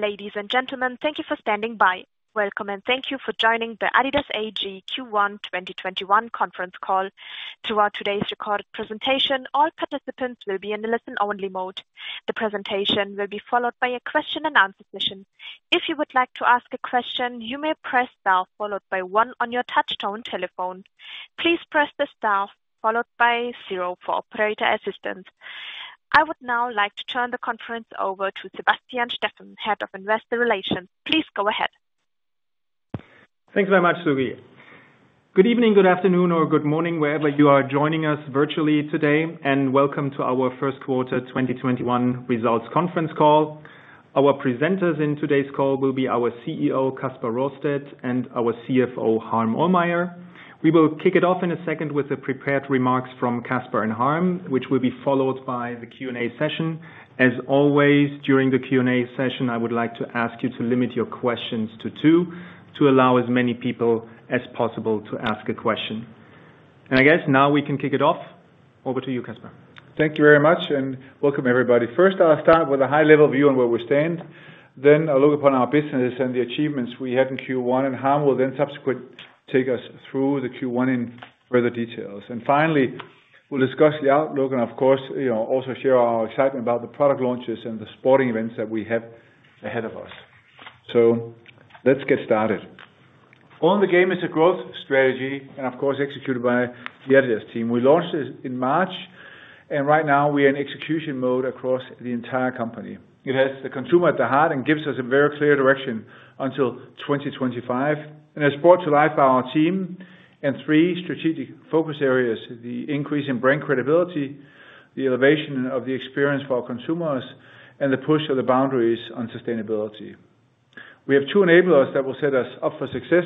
Ladies and gentlemen, thank you for standing by. Welcome and thank you for joining the adidas AG Q1 2021 Conference Call. Throughout today's recorded presentation, all participants will be in the listen-only mode. The presentation will be followed by a question and answer session. I would now like to turn the conference over to Sebastian Steffen, Head of Investor Relations. Please go ahead. Thanks very much, Sophie. Good evening, good afternoon, or good morning, wherever you are joining us virtually today, and welcome to our first quarter 2021 results conference call. Our presenters in today's call will be our Chief Executive Officer, Kasper Rorsted, and our CFO, Harm Ohlmeyer. We will kick it off in a second with the prepared remarks from Kasper and Harm, which will be followed by the Q&A session. As always, during the Q&A session, I would like to ask you to limit your questions to two, to allow as many people as possible to ask a question. I guess now we can kick it off. Over to you, Kasper Rorsted. Thank you very much. Welcome everybody. First, I'll start with a high-level view on where we stand, then a look upon our business and the achievements we had in Q1. Harm will then subsequent take us through the Q1 in further details. Finally, we'll discuss the outlook and of course, also share our excitement about the product launches and the sporting events that we have ahead of us. Let's get started. Own the Game is a growth strategy and of course, executed by the adidas team. We launched this in March. Right now we are in execution mode across the entire company. It has the consumer at the heart and gives us a very clear direction until 2025 and is brought to life by our team in three strategic focus areas, the increase in brand credibility, the elevation of the experience for our consumers, and the push of the boundaries on sustainability. We have two enablers that will set us up for success,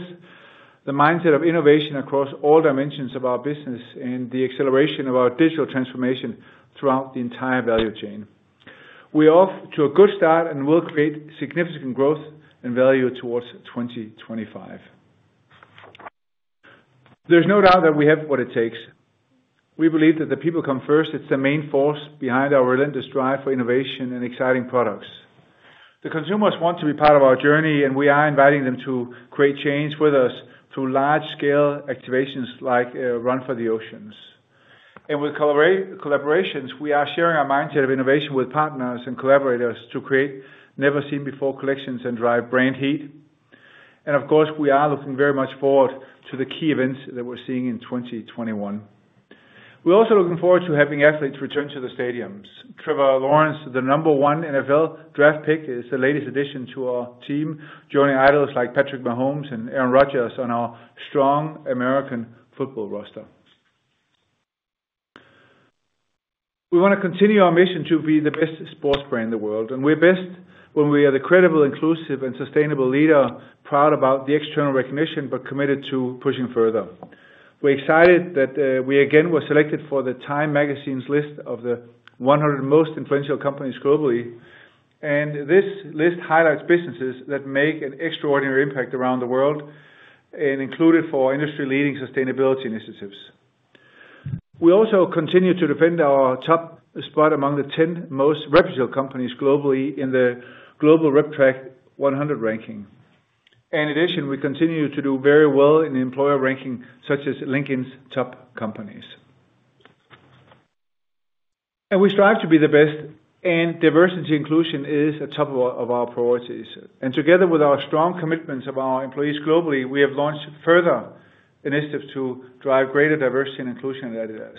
the mindset of innovation across all dimensions of our business and the acceleration of our digital transformation throughout the entire value chain. We're off to a good start and will create significant growth and value towards 2025. There's no doubt that we have what it takes. We believe that the people come first. It's the main force behind our relentless drive for innovation and exciting products. The consumers want to be part of our journey. We are inviting them to create change with us through large-scale activations like Run For The Oceans. With collaborations, we are sharing our mindset of innovation with partners and collaborators to create never-seen-before collections and drive brand heat. Of course, we are looking very much forward to the key events that we're seeing in 2021. We're also looking forward to having athletes return to the stadiums. Trevor Lawrence, the number one National Football League draft pick, is the latest addition to our team, joining idols like Patrick Mahomes and Aaron Rodgers on our strong American football roster. We want to continue our mission to be the best sports brand in the world, and we're best when we are the credible, inclusive and sustainable leader, proud about the external recognition but committed to pushing further. We're excited that we again were selected for the Time list of the 100 most influential companies globally, and this list highlights businesses that make an extraordinary impact around the world and included for industry-leading sustainability initiatives. We also continue to defend our top spot among the 10 most reputable companies globally in the Global RepTrak 100 ranking. In addition, we continue to do very well in employer ranking, such as LinkedIn's top companies. We strive to be the best, and diversity inclusion is a top of our priorities. Together with our strong commitments of our employees globally, we have launched further initiatives to drive greater D&I at adidas.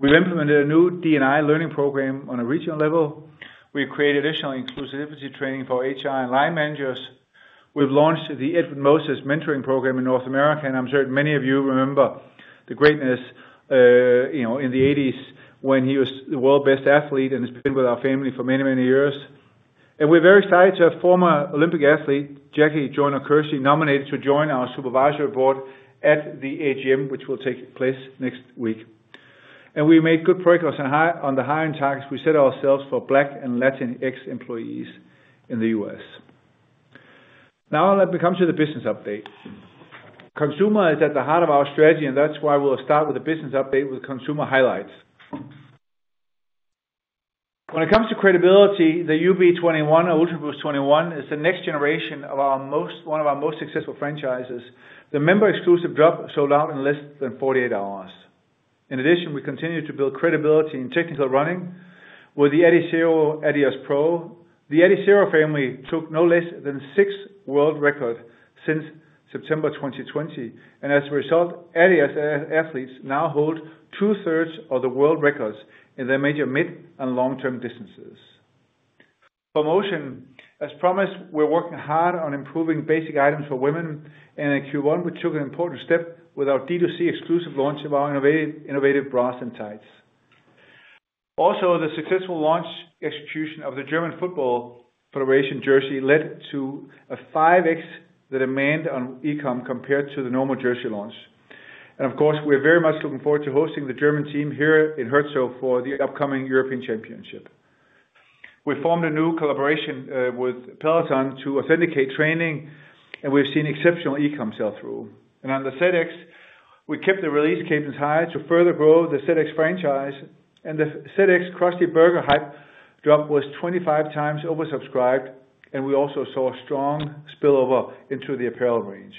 We've implemented a new D&I learning program on a regional level. We've created additional inclusivity training for human resources and line managers. We've launched the Edwin Moses Mentoring Program in North America. I'm certain many of you remember the greatness in the '80s when he was the world best athlete and has been with our family for many years. We're very excited to have former Olympic athlete Jackie Joyner-Kersee nominated to join our supervisory board at the AGM, which will take place next week. We made good progress on the hiring targets we set ourselves for Black and Latinx employees in the U.S. Now let me come to the business update. Consumer is at the heart of our strategy, and that's why we'll start with a business update with consumer highlights. When it comes to credibility, the UB21 or Ultraboost 21 is the next generation of one of our most successful franchises. The member-exclusive drop sold out in less than 48 hours. In addition, we continue to build credibility in technical running with the Adizero Adios Pro. The Adizero family took no less than six world records since September 2020, and as a result, adidas athletes now hold two-thirds of the world records in their major mid and long-term distances. Formotion, as promised, we're working hard on improving basic items for women, and in Q1, we took an important step with our direct-to-consumer exclusive launch of our innovative bras and tights. The successful launch execution of the German Football Association jersey led to a 5x the demand on electronic commerce compared to the normal jersey launch. Of course, we're very much looking forward to hosting the German team here in Herzogenaurach for the upcoming Union of European Football Associations Euro. We formed a new collaboration with Peloton to authenticate training, and we've seen exceptional electronic commerce sell-through. Under FedEx, we kept the release cadence high to further grow the ZX franchise, and the ZX Krusty Burger Hype drop was 25x oversubscribed, and we also saw strong spillover into the apparel range.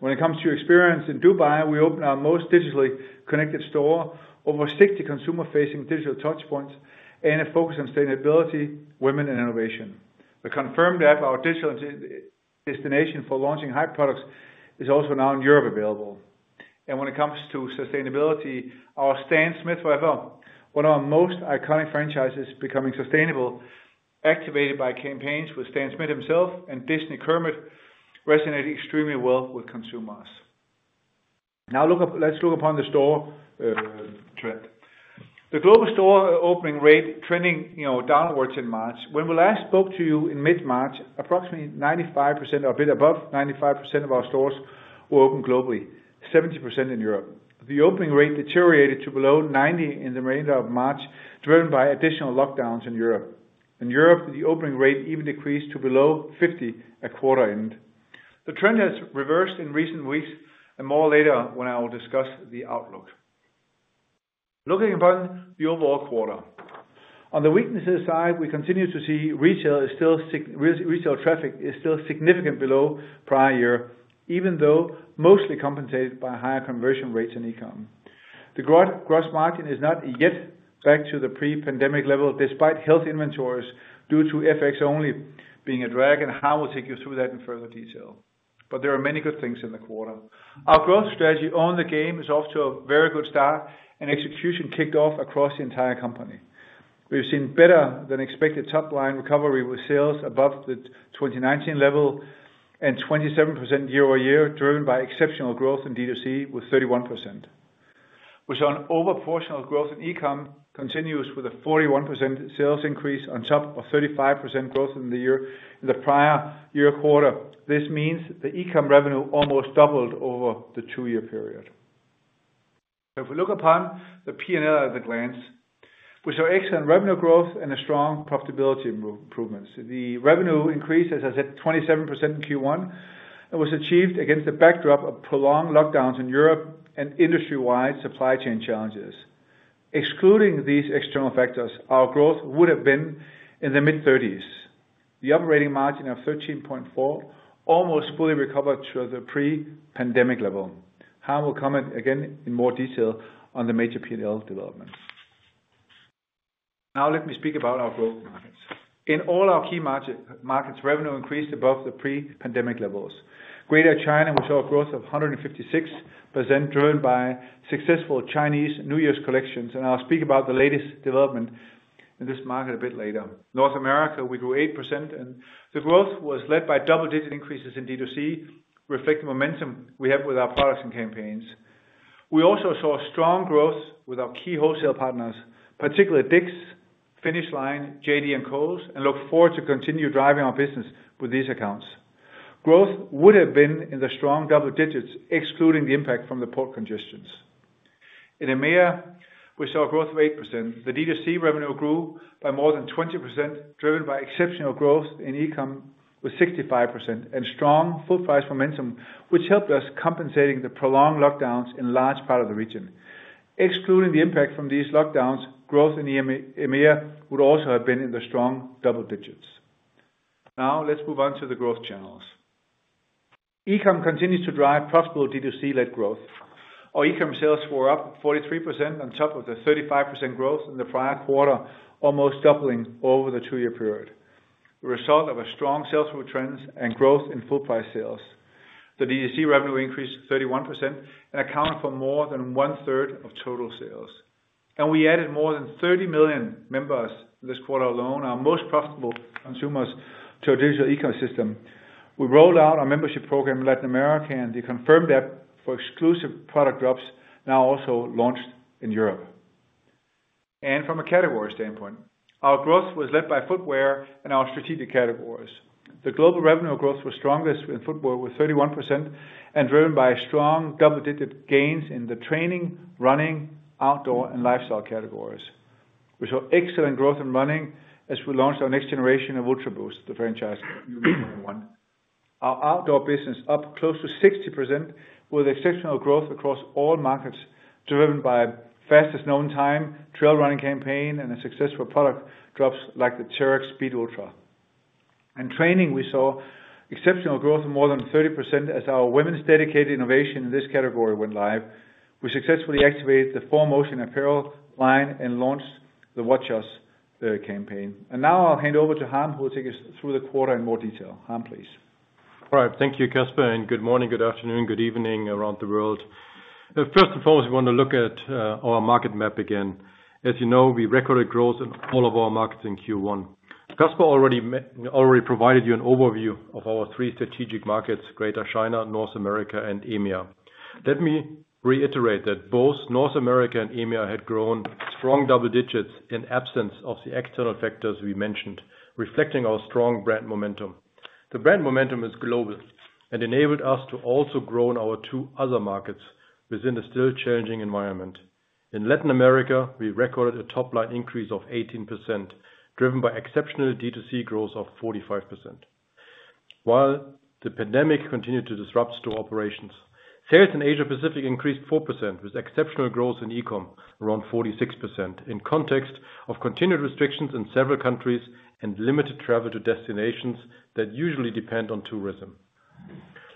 When it comes to experience in Dubai, we opened our most digitally connected store, over 60 consumer-facing digital touch points, and a focus on sustainability, women, and innovation. The Confirmed app, our digital destination for launching Hype products, is also now in Europe available. When it comes to sustainability, our Stan Smith, Forever, one of our most iconic franchises becoming sustainable, activated by campaigns with Stan Smith himself and Disney Kermit resonate extremely well with consumers. Now let's look upon the store trend. The global store opening rate trending downwards in March. When we last spoke to you in mid-March, approximately 95%, or a bit above 95% of our stores were open globally, 70% in Europe. The opening rate deteriorated to below 90% in the remainder of March, driven by additional lockdowns in Europe. In Europe, the opening rate even decreased to below 50% at quarter end. More later when I will discuss the outlook. Looking upon the overall quarter. On the weaknesses side, we continue to see retail traffic is still significantly below prior year, even though mostly compensated by higher conversion rates in e-com. The gross margin is not yet back to the pre-pandemic level despite healthy inventories due to FX only being a drag. Harm will take you through that in further detail. There are many good things in the quarter. Our growth strategy, Own the Game, is off to a very good start, and execution kicked off across the entire company. We've seen better-than-expected top-line recovery with sales above the 2019 level and 27% year-over-year, driven by exceptional growth in D2C with 31%. We saw an over-proportional growth in e-com, continuous with a 41% sales increase on top of 35% growth in the prior year quarter. This means the electronic commerce revenue almost doubled over the two-year period. If we look upon the P&L at a glance, we saw excellent revenue growth and a strong profitability improvements. The revenue increase, as I said, 27% in Q1, and was achieved against the backdrop of prolonged lockdowns in Europe and industry-wide supply chain challenges. Excluding these external factors, our growth would have been in the mid-30s. The operating margin of 13.4% almost fully recovered to the pre-pandemic level. Harm will comment again in more detail on the major P&L development. Let me speak about our growth markets. In all our key markets, revenue increased above the pre-pandemic levels. Greater China, we saw a growth of 156% driven by successful Chinese New Year's collections. I'll speak about the latest development in this market a bit later. North America, we grew 8%. The growth was led by double-digit increases in D2C, reflecting the momentum we have with our products and campaigns. We also saw strong growth with our key wholesale partners, particularly Dick's, Finish Line, JD and Kohl's. We look forward to continue driving our business with these accounts. Growth would have been in the strong double digits, excluding the impact from the port congestions. In EMEA, we saw a growth of 8%. The D2C revenue grew by more than 20%, driven by exceptional growth in electronic commerce with 65% and strong full-price momentum, which helped us compensating the prolonged lockdowns in large part of the region. Excluding the impact from these lockdowns, growth in the EMEA would also have been in the strong double digits. Now, let's move on to the growth channels. Electronic commerce continues to drive profitable D2C-led growth. Our e-com sales were up 43% on top of the 35% growth in the prior quarter, almost doubling over the two-year period, a result of a strong sell-through trends and growth in full-price sales. The D2C revenue increased 31% and accounted for more than 1/3 of total sales. We added more than 30 million members this quarter alone, our most profitable consumers, to our digital ecosystem. We rolled out our membership program in Latin America and the Confirmed app for exclusive product drops now also launched in Europe. From a category standpoint, our growth was led by footwear and our strategic categories. The global revenue growth was strongest in footwear with 31% and driven by strong double-digit gains in the training, running, outdoor, and lifestyle categories. We saw excellent growth in running as we launched our next generation of Ultraboost, the franchise UB21. Our outdoor business up close to 60% with exceptional growth across all markets, driven by fastest-known-time trail running campaign and a successful product drops like the Terrex Speed Ultra. In training, we saw exceptional growth of more than 30% as our women's dedicated innovation in this category went live. We successfully activated the Formotion apparel line and launched the Watch Us campaign. Now I'll hand over to Harm who will take us through the quarter in more detail. Harm Ohlmeyer, please? All right. Thank you, Kasper. Good morning, good afternoon, good evening around the world. First and foremost, we want to look at our market map again. As you know, we recorded growth in all of our markets in Q1. Kasper already provided you an overview of our three strategic markets, Greater China, North America, and EMEA. Let me reiterate that both North America and EMEA had grown strong double digits in absence of the external factors we mentioned, reflecting our strong brand momentum. The brand momentum is global and enabled us to also grow in our two other markets within a still challenging environment. In Latin America, we recorded a top-line increase of 18%, driven by exceptional D2C growth of 45%. The pandemic continued to disrupt store operations, sales in Asia Pacific increased 4%, with exceptional growth in electronic commerce around 46% in context of continued restrictions in several countries and limited travel to destinations that usually depend on tourism.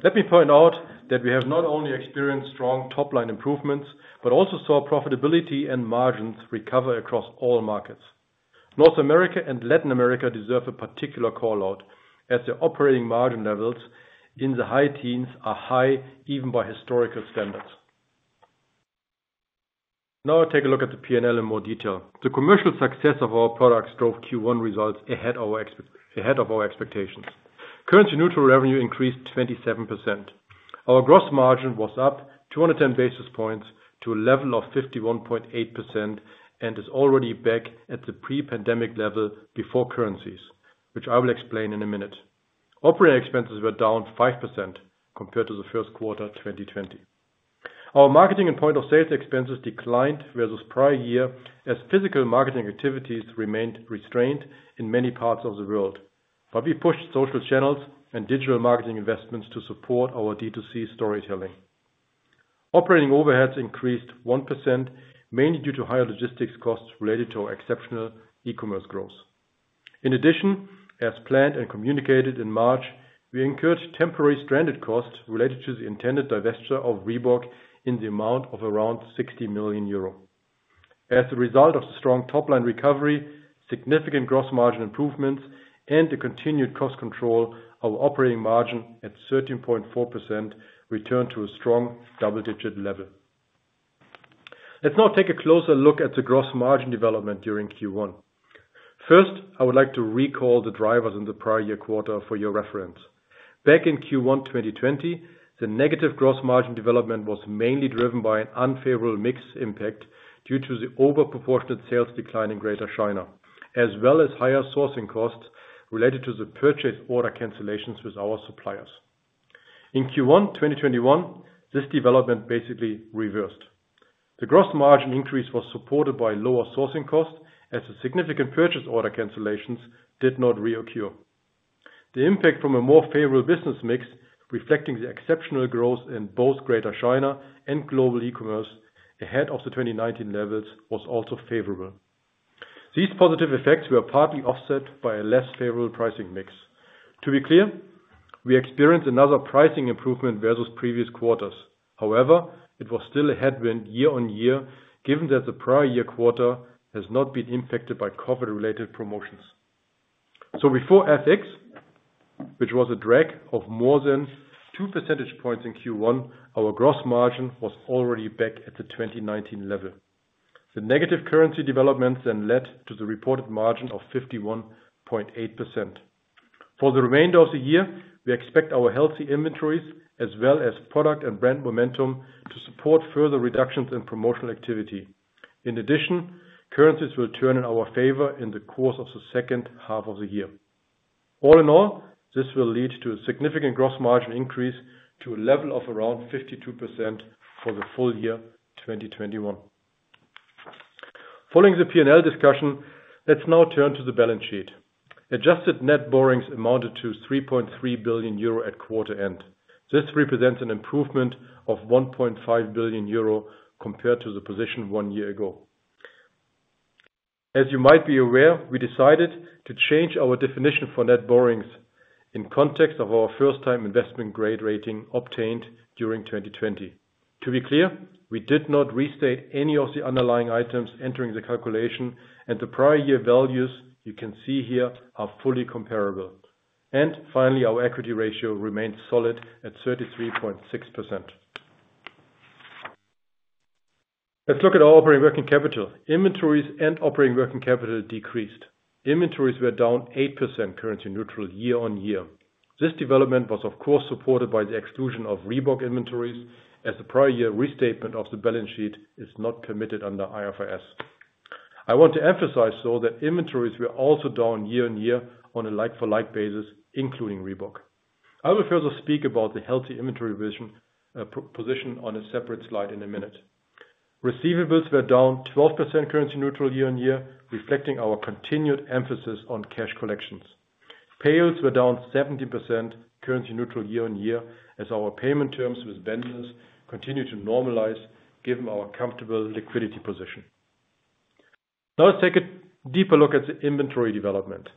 Let me point out that we have not only experienced strong top-line improvements, but also saw profitability and margins recover across all markets. North America and Latin America deserve a particular call-out, as their operating margin levels in the high teens are high even by historical standards. Take a look at the P&L in more detail. The commercial success of our products drove Q1 results ahead of our expectations. Currency neutral revenue increased 27%. Our gross margin was up 210 basis points to a level of 51.8% and is already back at the pre-pandemic level before currencies, which I will explain in a minute. Operating expenses were down 5% compared to the first quarter 2020. Our marketing and point of sales expenses declined versus prior year as physical marketing activities remained restrained in many parts of the world. We pushed social channels and digital marketing investments to support our D2C storytelling. Operating overheads increased 1%, mainly due to higher logistics costs related to our exceptional e-commerce growth. In addition, as planned and communicated in March, we incurred temporary stranded costs related to the intended divestiture of Reebok in the amount of around 60 million euro. As a result of the strong top-line recovery, significant gross margin improvements, and the continued cost control, our operating margin at 13.4% returned to a strong double-digit level. Let's now take a closer look at the gross margin development during Q1. First, I would like to recall the drivers in the prior year quarter for your reference. Back in Q1 2020, the negative gross margin development was mainly driven by an unfavorable mix impact due to the over-proportionate sales decline in Greater China, as well as higher sourcing costs related to the purchase order cancellations with our suppliers. In Q1 2021, this development basically reversed. The gross margin increase was supported by lower sourcing costs as the significant purchase order cancellations did not reoccur. The impact from a more favorable business mix, reflecting the exceptional growth in both Greater China and global e-commerce ahead of the 2019 levels, was also favorable. These positive effects were partly offset by a less favorable pricing mix. To be clear, we experienced another pricing improvement versus previous quarters. However, it was still a headwind year-over-year, given that the prior year quarter has not been impacted by COVID-related promotions. Before FX, which was a drag of more than 2 percentage points in Q1, our gross margin was already back at the 2019 level. The negative currency developments led to the reported margin of 51.8%. For the remainder of the year, we expect our healthy inventories as well as product and brand momentum to support further reductions in promotional activity. In addition, currencies will turn in our favor in the course of the second half of the year. All in all, this will lead to a significant gross margin increase to a level of around 52% for the full year 2021. Following the P&L discussion, let's now turn to the balance sheet. Adjusted net borrowings amounted to 3.3 billion euro at quarter end. This represents an improvement of 1.5 billion euro compared to the position one year ago. As you might be aware, we decided to change our definition for net borrowings in context of our first-time investment grade rating obtained during 2020. To be clear, we did not restate any of the underlying items entering the calculation and the prior year values you can see here are fully comparable. Finally, our equity ratio remains solid at 33.6%. Let's look at our operating working capital. Inventories and operating working capital decreased. Inventories were down 8% currency neutral year on year. This development was, of course, supported by the exclusion of Reebok inventories, as the prior year restatement of the balance sheet is not permitted under IFRS. I want to emphasize, though, that inventories were also down year on year on a like-for-like basis, including Reebok. I will further speak about the healthy inventory position on a separate slide in a minute. Receivables were down 12% currency neutral year-over-year, reflecting our continued emphasis on cash collections. Payables were down 17% currency neutral year-over-year as our payment terms with vendors continue to normalize given our comfortable liquidity position. Now let's take a deeper look at the inventory development.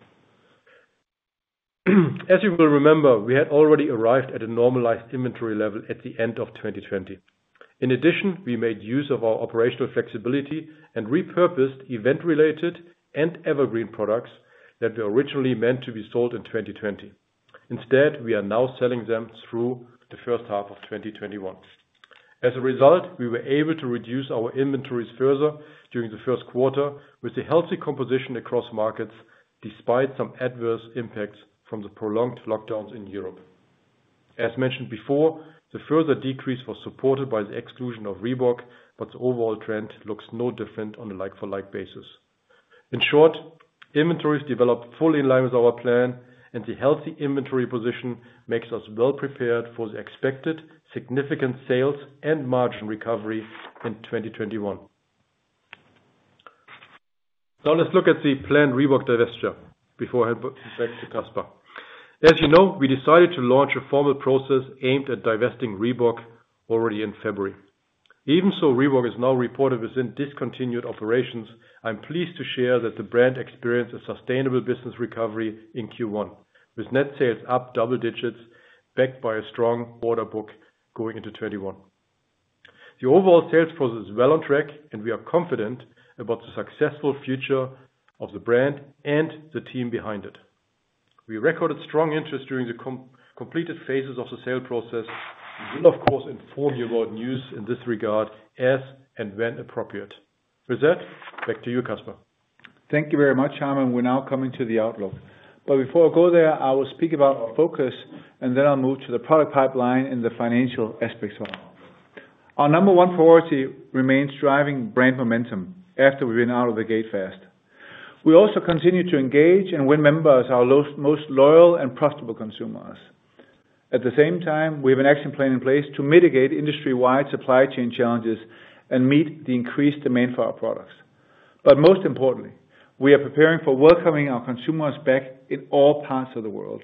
As you will remember, we had already arrived at a normalized inventory level at the end of 2020. In addition, we made use of our operational flexibility and repurposed event-related and evergreen products that were originally meant to be sold in 2020. Instead, we are now selling them through the first half of 2021. As a result, we were able to reduce our inventories further during the first quarter with a healthy composition across markets, despite some adverse impacts from the prolonged lockdowns in Europe. As mentioned before, the further decrease was supported by the exclusion of Reebok, but the overall trend looks no different on a like-for-like basis. In short, inventories developed fully in line with our plan and the healthy inventory position makes us well prepared for the expected significant sales and margin recovery in 2021. Now let's look at the planned Reebok divestiture before I hand back to Kasper. Even so Reebok is now reported within discontinued operations, I'm pleased to share that the brand experienced a sustainable business recovery in Q1, with net sales up double digits, backed by a strong order book going into 2021. The overall sales process is well on track, and we are confident about the successful future of the brand and the team behind it. We recorded strong interest during the completed phases of the sale process. We will, of course, inform you about news in this regard as and when appropriate. With that, back to you, Kasper. Thank you very much, Harm, and we're now coming to the outlook. Before I go there, I will speak about our focus, and then I'll move to the product pipeline and the financial aspects of our outlook. Our number one priority remains driving brand momentum after we've been out of the gate fast. We also continue to engage and win members, our most loyal and profitable consumers. At the same time, we have an action plan in place to mitigate industry-wide supply chain challenges and meet the increased demand for our products. Most importantly, we are preparing for welcoming our consumers back in all parts of the world.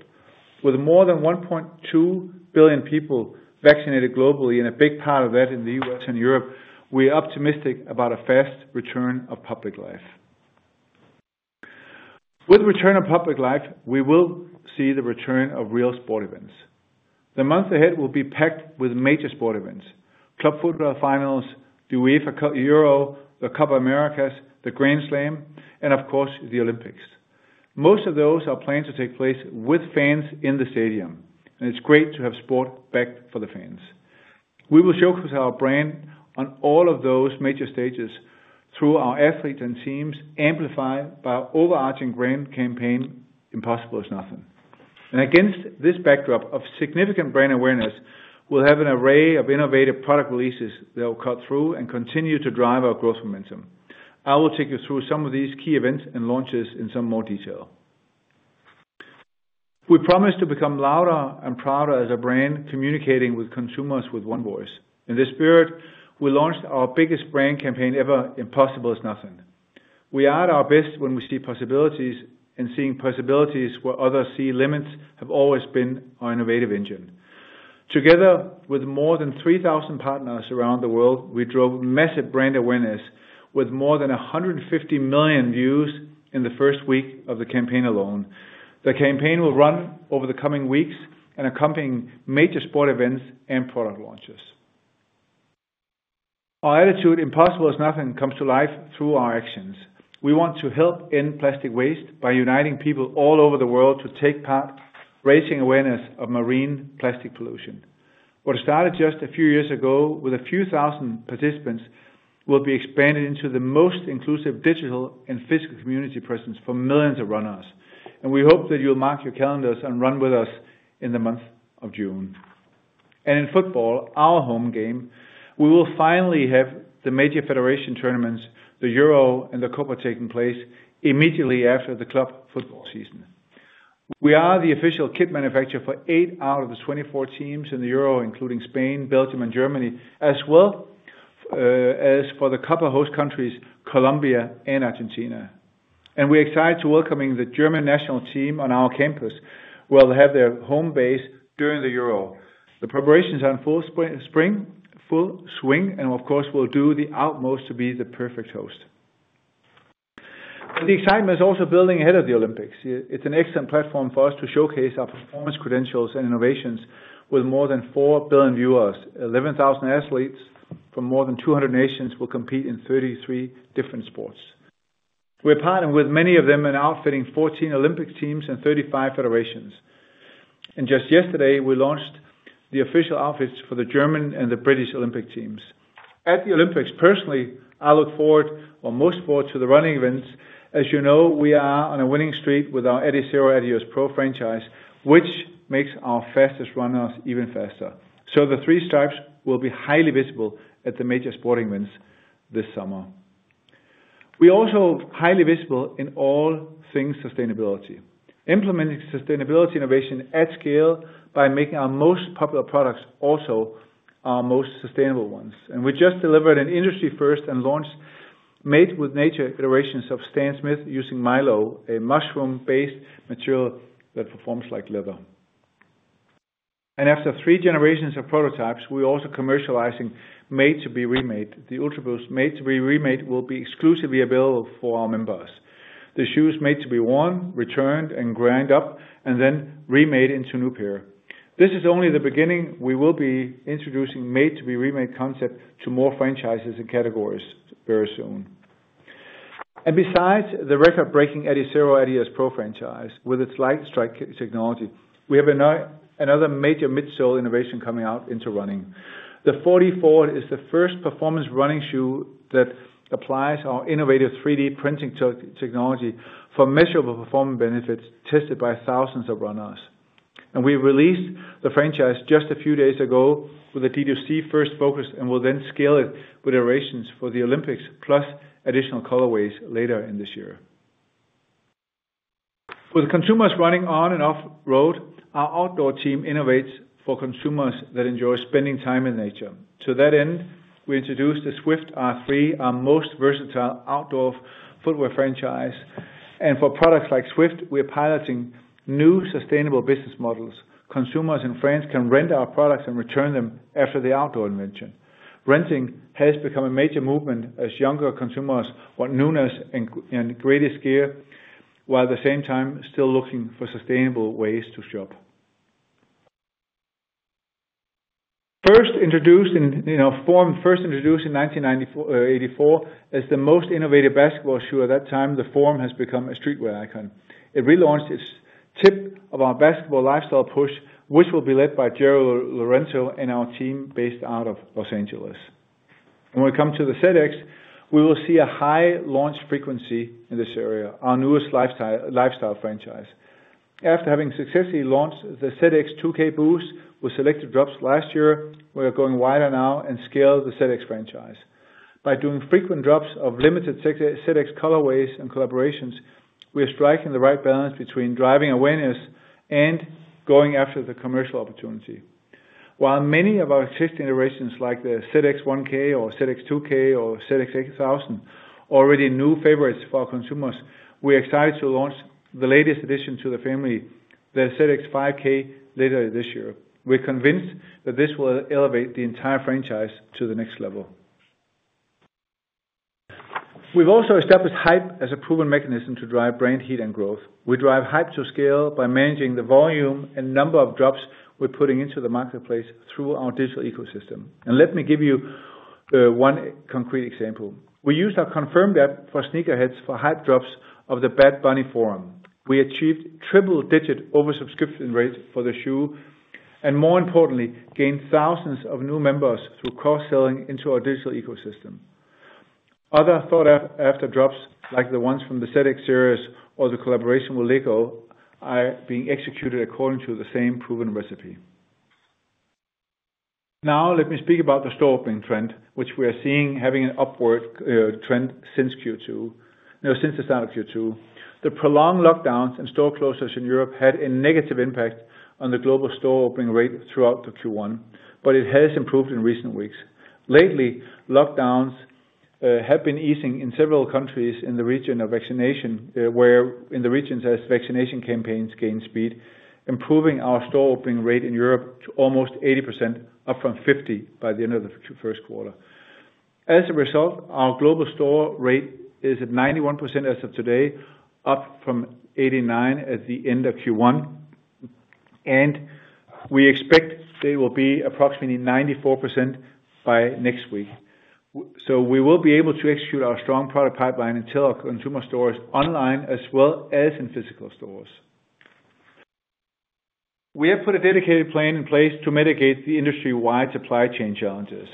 With more than 1.2 billion people vaccinated globally, and a big part of that in the U.S. and Europe, we are optimistic about a fast return of public life. With return of public life, we will see the return of real sport events. The month ahead will be packed with major sport events, club football finals, the UEFA Euro, the Copa América, the Grand Slam, and of course, the Olympics. Most of those are planned to take place with fans in the stadium, and it's great to have sport back for the fans. We will showcase our brand on all of those major stages through our athletes and teams, amplified by our overarching brand campaign, Impossible is Nothing. Against this backdrop of significant brand awareness, we'll have an array of innovative product releases that will cut through and continue to drive our growth momentum. I will take you through some of these key events and launches in some more detail. We promise to become louder and prouder as a brand, communicating with consumers with one voice. In this spirit, we launched our biggest brand campaign ever, Impossible is Nothing. We are at our best when we see possibilities, and seeing possibilities where others see limits have always been our innovative engine. Together with more than 3,000 partners around the world, we drove massive brand awareness with more than 150 million views in the first week of the campaign alone. The campaign will run over the coming weeks and accompany major sport events and product launches. Our attitude, Impossible is Nothing, comes to life through our actions. We want to help end plastic waste by uniting people all over the world to take part, raising awareness of marine plastic pollution. What started just a few years ago with a few thousand participants will be expanded into the most inclusive digital and physical community presence for millions of runners, and we hope that you'll mark your calendars and run with us in the month of June. In football, our home game, we will finally have the major federation tournaments, the Euro and the Copa, taking place immediately after the club football season. We are the official kit manufacturer for eight out of the 24 teams in the Euro, including Spain, Belgium, and Germany, as well as for the Copa host countries, Colombia and Argentina. We're excited to welcoming the German national team on our campus, where they'll have their home base during the Euro. The preparations are in full swing. Of course, we'll do the utmost to be the perfect host. The excitement is also building ahead of the Olympics. It's an excellent platform for us to showcase our performance credentials and innovations with more than 4 billion viewers. 11,000 athletes from more than 200 nations will compete in 33 different sports. We're partnered with many of them in outfitting 14 Olympic teams and 35 federations. Just yesterday, we launched the official outfits for the German and the British Olympic teams. At the Olympics, personally, I look forward, or most forward, to the running events. As you know, we are on a winning streak with our Adizero Adios Pro franchise, which makes our fastest runners even faster. The three stripes will be highly visible at the major sporting events this summer. We're also highly visible in all things sustainability. Implementing sustainability innovation at scale by making our most popular products also our most sustainable ones. We just delivered an industry first and launched Made with Nature iterations of Stan Smith using Mylo, a mushroom-based material that performs like leather. After three generations of prototypes, we're also commercializing Made to Be Remade. The Ultraboost Made to Be Remade will be exclusively available for our members. The shoe is made to be worn, returned, and ground up, and then remade into a new pair. This is only the beginning. We will be introducing Made to Be Remade concept to more franchises and categories very soon. Besides the record-breaking Adizero Adios Pro franchise with its Lightstrike technology, we have another major midsole innovation coming out into running. The 4DFWD is the first performance running shoe that applies our innovative 3D printing technology for measurable performance benefits tested by thousands of runners. We released the franchise just a few days ago with a D2C first focus and will then scale it with iterations for the Olympics, plus additional colorways later in this year. With consumers running on and off-road, our outdoor team innovates for consumers that enjoy spending time in nature. To that end, we introduced the Swift R3, our most versatile outdoor footwear franchise, and for products like Swift, we are piloting new sustainable business models. Consumers in France can rent our products and return them after the outdoor adventure. Renting has become a major movement as younger consumers want newness and greater scale, while at the same time still looking for sustainable ways to shop. First introduced in 1984 as the most innovative basketball shoe at that time, the Forum has become a streetwear icon. It relaunched its tip of our basketball lifestyle push, which will be led by Jerry Lorenzo and our team based out of Los Angeles. When we come to the ZX, we will see a high launch frequency in this area, our newest lifestyle franchise. After having successfully launched the ZX 2K Boost with selected drops last year, we are going wider now and scale the ZX franchise. By doing frequent drops of limited ZX colorways and collaborations, we are striking the right balance between driving awareness and going after the commercial opportunity. While many of our existing iterations like the ZX 1K or ZX 2K or ZX 8000 are already new favorites for our consumers, we're excited to launch the latest addition to the family, the ZX 5K, later this year. We're convinced that this will elevate the entire franchise to the next level. We've also established hype as a proven mechanism to drive brand heat and growth. We drive hype to scale by managing the volume and number of drops we're putting into the marketplace through our digital ecosystem. Let me give you one concrete example. We used our Confirmed app for sneakerheads for hype drops of the Bad Bunny Forum. We achieved triple-digit over-subscription rates for the shoe, and more importantly, gained thousands of new members through cross-selling into our digital ecosystem. Other sought-after drops, like the ones from the ZX series or the collaboration with LEGO, are being executed according to the same proven recipe. Now, let me speak about the store opening trend, which we are seeing having an upward trend since the start of Q2. The prolonged lockdowns and store closures in Europe had a negative impact on the global store opening rate throughout the Q1. It has improved in recent weeks. Lately, lockdowns have been easing in several countries in the region as vaccination campaigns gain speed, improving our store opening rate in Europe to almost 80%, up from 50% by the end of the first quarter. As a result, our global store rate is at 91% as of today, up from 89% at the end of Q1. We expect they will be approximately 94% by next week. We will be able to execute our strong product pipeline until our consumer stores online as well as in physical stores. We have put a dedicated plan in place to mitigate the industry-wide supply chain challenges.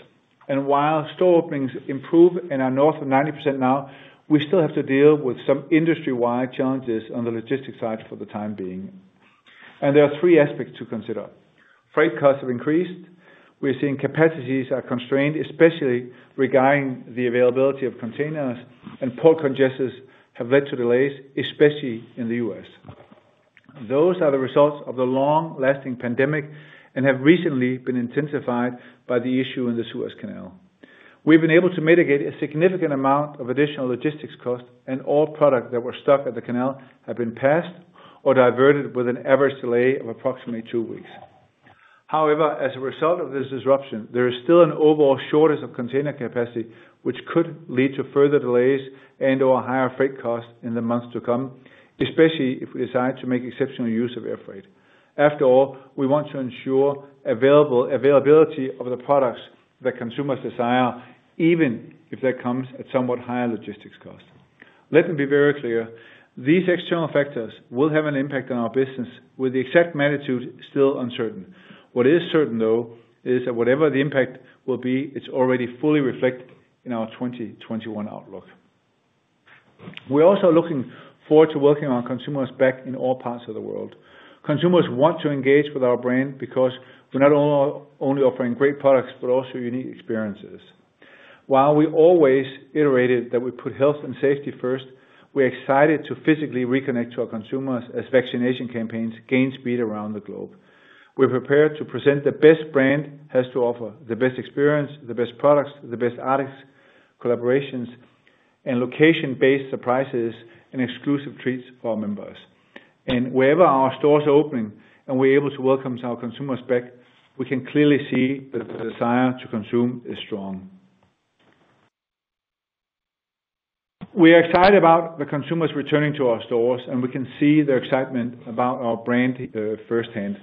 While store openings improve and are north of 90% now, we still have to deal with some industry-wide challenges on the logistics side for the time being. There are three aspects to consider. Freight costs have increased. We're seeing capacities are constrained, especially regarding the availability of containers, and port congestions have led to delays, especially in the U.S. Those are the results of the long-lasting pandemic and have recently been intensified by the issue in the Suez Canal. We've been able to mitigate a significant amount of additional logistics costs, and all products that were stuck at the canal have been passed or diverted with an average delay of approximately two weeks. However, as a result of this disruption, there is still an overall shortage of container capacity, which could lead to further delays and/or higher freight costs in the months to come, especially if we decide to make exceptional use of air freight. After all, we want to ensure availability of the products that consumers desire, even if that comes at somewhat higher logistics cost. Let me be very clear. These external factors will have an impact on our business with the exact magnitude still uncertain. What is certain, though, is that whatever the impact will be, it is already fully reflected in our 2021 outlook. We are also looking forward to welcoming our consumers back in all parts of the world. Consumers want to engage with our brand because we are not only offering great products, but also unique experiences. While we always iterated that we put health and safety first, we're excited to physically reconnect to our consumers as vaccination campaigns gain speed around the globe. We're prepared to present the best brand has to offer, the best experience, the best products, the best artists, collaborations, and location-based surprises and exclusive treats for our members. Wherever our stores are open and we're able to welcome our consumers back, we can clearly see that the desire to consume is strong. We are excited about the consumers returning to our stores, and we can see their excitement about our brand firsthand.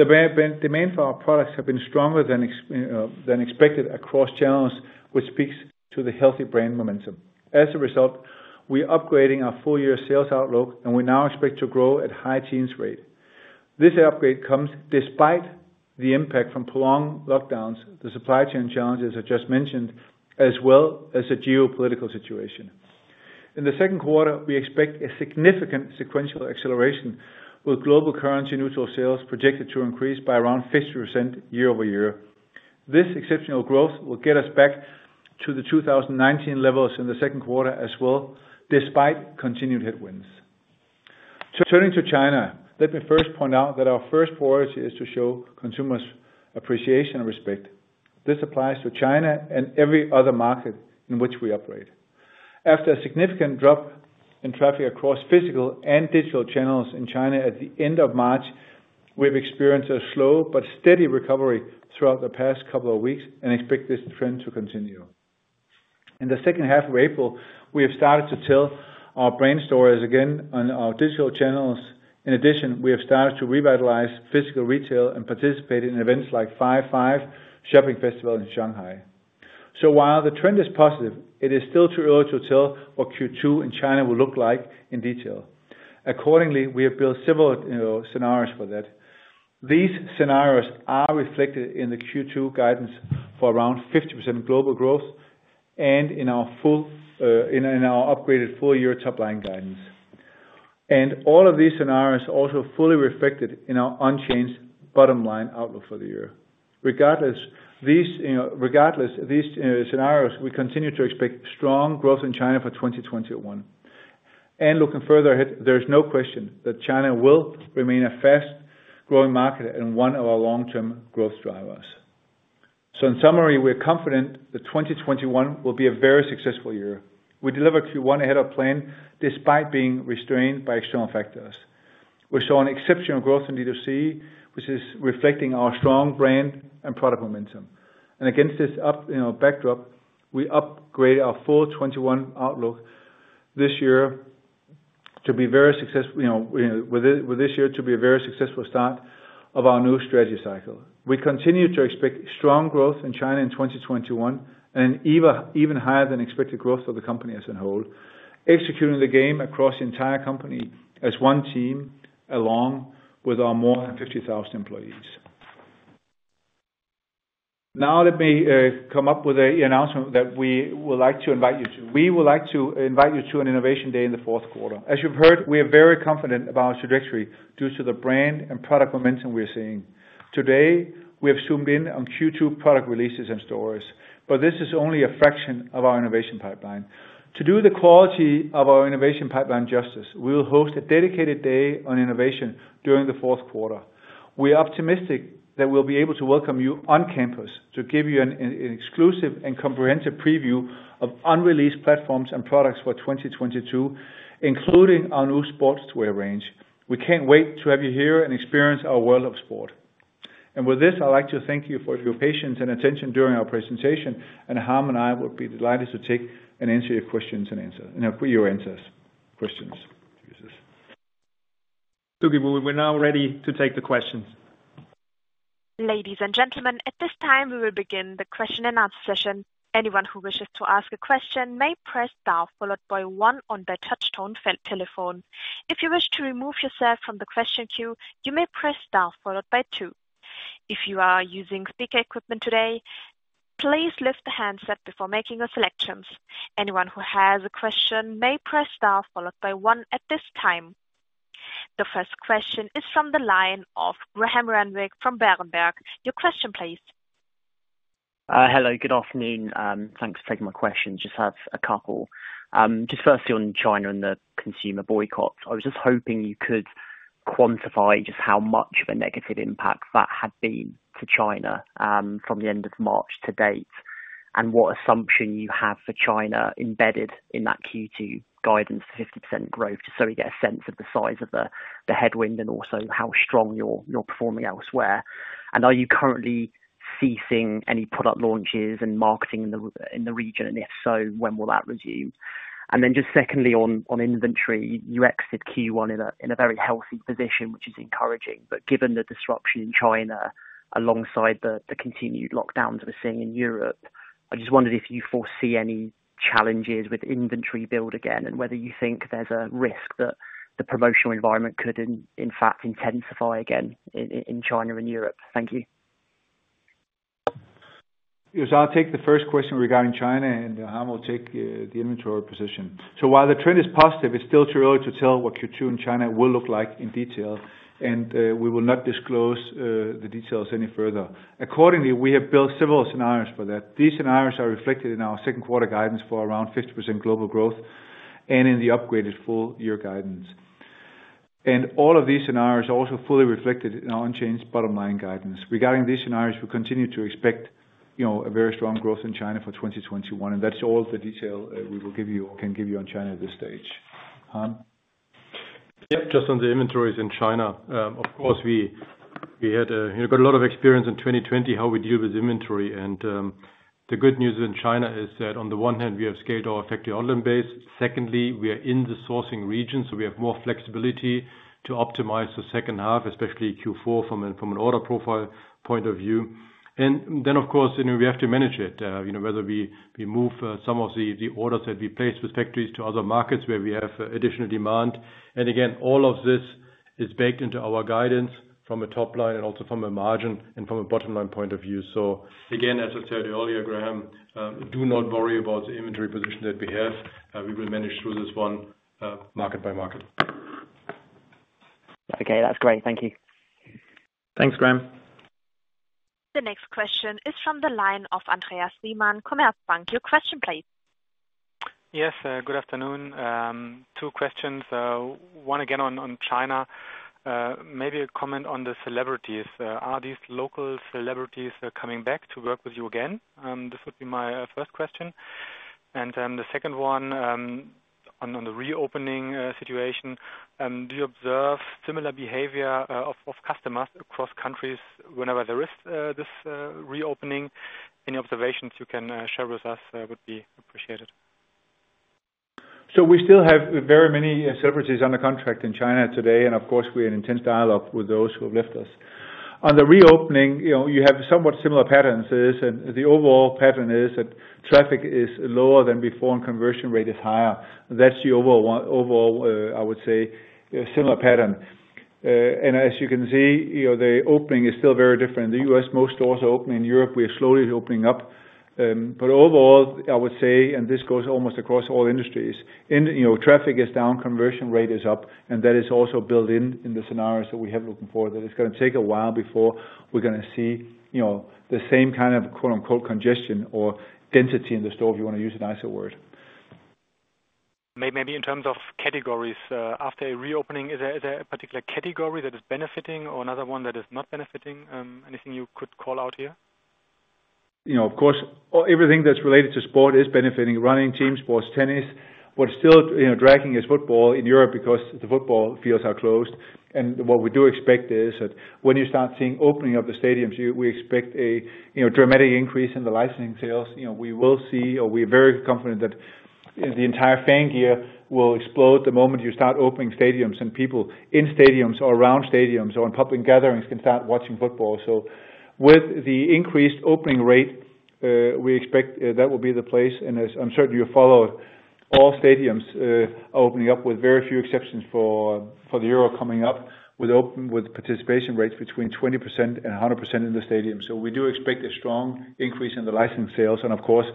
The demand for our products have been stronger than expected across channels, which speaks to the healthy brand momentum. As a result, we are upgrading our full-year sales outlook, and we now expect to grow at high teens rate. This upgrade comes despite the impact from prolonged lockdowns, the supply chain challenges I just mentioned, as well as the geopolitical situation. In the second quarter, we expect a significant sequential acceleration with global currency neutral sales projected to increase by around 50% year-over-year. This exceptional growth will get us back to the 2019 levels in the second quarter as well, despite continued headwinds. Turning to China, let me first point out that our first priority is to show consumers appreciation and respect. This applies to China and every other market in which we operate. After a significant drop in traffic across physical and digital channels in China at the end of March, we've experienced a slow but steady recovery throughout the past couple of weeks and expect this trend to continue. In the second half of April, we have started to sell our brand stories again on our digital channels. We have started to revitalize physical retail and participate in events like Double Five Shopping Festival in Shanghai. While the trend is positive, it is still too early to tell what Q2 in China will look like in detail. Accordingly, we have built several scenarios for that. These scenarios are reflected in the Q2 guidance for around 50% global growth and in our upgraded full-year top-line guidance. All of these scenarios also fully reflected in our unchanged bottom-line outlook for the year. Regardless of these scenarios, we continue to expect strong growth in China for 2021. Looking further ahead, there is no question that China will remain a fast-growing market and one of our long-term growth drivers. In summary, we're confident that 2021 will be a very successful year. We delivered Q1 ahead of plan, despite being restrained by external factors. We're showing exceptional growth in D2C, which is reflecting our strong brand and product momentum. Against this backdrop, we upgrade our full 2021 outlook, with this year to be a very successful start of our new strategy cycle. We continue to expect strong growth in China in 2021, and even higher than expected growth for the company as a whole, executing the game across the entire company as one team, along with our more than 50,000 employees. Let me come up with an announcement that we would like to invite you to. We would like to invite you to an innovation day in the fourth quarter. As you've heard, we are very confident about our trajectory due to the brand and product momentum we are seeing. Today, we have zoomed in on Q2 product releases and stories. This is only a fraction of our innovation pipeline. To do the quality of our innovation pipeline justice, we will host a dedicated day on innovation during the fourth quarter. We are optimistic that we'll be able to welcome you on campus to give you an exclusive and comprehensive preview of unreleased platforms and products for 2022, including our new Sportswear range. We can't wait to have you here and experience our world of sport. With this, I'd like to thank you for your patience and attention during our presentation. Harm and I would be delighted to take and answer your questions. Oh, we're now ready to take the questions. Ladies and gentlemen, at this time we will begin the question and answer session. Anyone who wishes to ask a question may press star followed by one on their touchtone telephone. If you wish to remove yourself from the question queue, you may press star followed by two. If you are using speaker equipment today, please lift the handset before making your selections. Anyone who has a question may press star followed by one at this time. The firstThe first question is from the line of Graham Renwick from Berenberg. Your question please. Hello, good afternoon. Thanks for taking my question. Just have a couple. Just firstly on China and the consumer boycotts, I was just hoping you could quantify just how much of a negative impact that had been to China, from the end of March to date, and what assumption you have for China embedded in that Q2 guidance for 50% growth, just so we get a sense of the size of the headwind and also how strong you're performing elsewhere. Are you currently ceasing any product launches and marketing in the region? If so, when will that resume? Secondly, on inventory, you exited Q1 in a very healthy position, which is encouraging. Given the disruption in China alongside the continued lockdowns we're seeing in Europe, I just wondered if you foresee any challenges with inventory build again, and whether you think there's a risk that the promotional environment could in fact intensify again in China and Europe. Thank you. Yes, I'll take the first question regarding China, and Harm will take the inventory position. While the trend is positive, it's still too early to tell what Q2 in China will look like in detail, and we will not disclose the details any further. Accordingly, we have built several scenarios for that. These scenarios are reflected in our second quarter guidance for around 50% global growth and in the upgraded full-year guidance. All of these scenarios also fully reflected in our unchanged bottom-line guidance. Regarding these scenarios, we continue to expect a very strong growth in China for 2021, and that's all the detail we can give you on China at this stage. Harm? Yep. Just on the inventories in China. Of course, we got a lot of experience in 2020 how we deal with inventory. The good news in China is that on the one hand, we have scaled our effective order base. Secondly, we are in the sourcing region. We have more flexibility to optimize the second half, especially Q4 from an order profile point of view. Of course, we have to manage it, whether we move some of the orders that we placed with factories to other markets where we have additional demand. Again, all of this is baked into our guidance from a top line and also from a margin and from a bottom-line point of view. Again, as I said earlier, Graham, do not worry about the inventory position that we have. We will manage through this one market by market. Okay. That's great. Thank you. Thanks, Graham. The next question is from the line of Andreas Riemann, Commerzbank. Your question, please. Yes, good afternoon. Two questions. One again on China. Maybe a comment on the celebrities. Are these local celebrities coming back to work with you again? This would be my first question. The second one, on the reopening situation, do you observe similar behavior of customers across countries whenever there is this reopening? Any observations you can share with us would be appreciated. We still have very many celebrities under contract in China today. Of course, we are in intense dialogue with those who have left us. On the reopening, you have somewhat similar patterns. The overall pattern is that traffic is lower than before and conversion rate is higher. That's the overall, I would say, similar pattern. As you can see, the opening is still very different. In the U.S., most stores are open. In Europe, we are slowly opening up. Overall, I would say, and this goes almost across all industries, traffic is down, conversion rate is up, and that is also built in the scenarios that we have looking forward, that it's going to take a while before we're going to see the same kind of "congestion" or density in the store, if you want to use a nicer word. Maybe in terms of categories. After a reopening, is there a particular category that is benefiting or another one that is not benefiting? Anything you could call out here? Of course, everything that's related to sport is benefiting. Running team, sports tennis. What's still dragging is football in Europe because the football fields are closed, and what we do expect is that when you start seeing opening of the stadiums, we expect a dramatic increase in the licensing sales. We will see, or we are very confident that the entire fan gear will explode the moment you start opening stadiums and people in stadiums or around stadiums or in public gatherings can start watching football. With the increased opening rate, we expect that will be the place, and as I'm sure you have followed, all stadiums are opening up with very few exceptions for the Euro coming up, with participation rates between 20% and 100% in the stadium. We do expect a strong increase in the license sales. Of course,